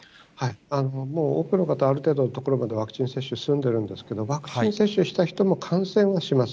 もう多くの方、ある程度のところまでワクチン接種済んでるんですけれども、ワクチン接種した人も感染はします。